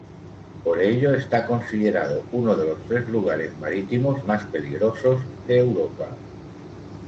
Por ello está considerado uno de los tres lugares marítimos más peligrosos de Europa.